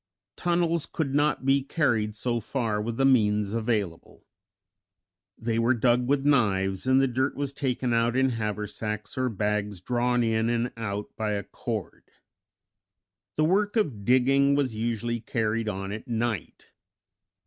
Tunnels could not be carried so far with the means available. They were dug with knives and the dirt was taken out in haversacks or bags drawn in and out by a cord. The work of digging was usually carried on at night.